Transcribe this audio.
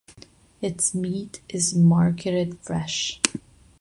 Its meat is marketed fresh.